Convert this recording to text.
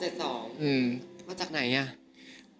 ๒๗๒แล้วจากไหนเนี่ย